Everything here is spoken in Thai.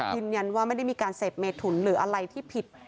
ยืนยันว่าไม่ได้มีการเสพเมถุนหรืออะไรที่ผิด